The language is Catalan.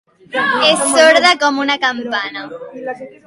És sorda com una campana.